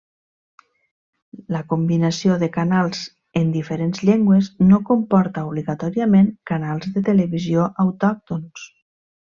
La combinació de canals en diferents llengües no comporta obligatòriament canals de televisió autòctons.